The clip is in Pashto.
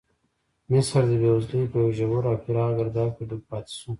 مصر د بېوزلۍ په یو ژور او پراخ ګرداب کې ډوب پاتې شو.